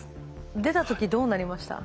出た時どうなりました？